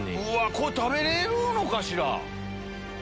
これ食べれるのかしら？